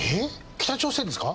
北朝鮮ですか？